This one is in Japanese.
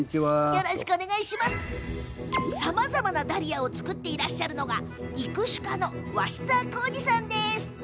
さまざまなダリアを作っていらっしゃるのが育種家の鷲澤幸治さんです。